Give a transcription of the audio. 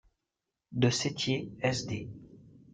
de Sétier, s.d.